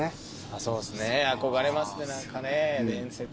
そうですね憧れますね何かね伝説。